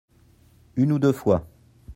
Une ou deux fois.